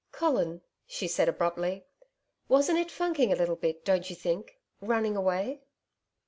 'Colin,' she said abruptly, 'wasn't it funking a little bit, don't you think running away?'